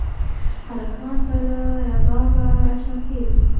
هلکان به له ربابه راچاپېر وي